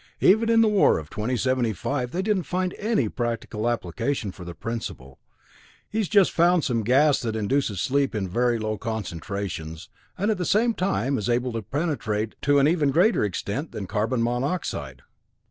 Even in the war of 2075 they didn't find any practical application for the principle. He has just found some gas that induces sleep in very low concentrations, and at the same time is able to penetrate to an even greater extent than carbon monoxide."